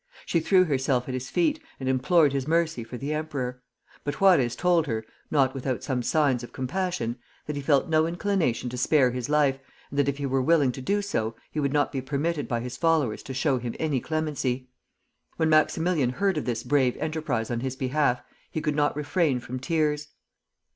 She threw herself at his feet, and implored his mercy for the emperor; but Juarez told her (not without some signs of compassion) that he felt no inclination to spare his life, and that if he were willing to do so, he would not be permitted by his followers to show him any clemency. When Maximilian heard of this brave enterprise on his behalf, he could not refrain from tears.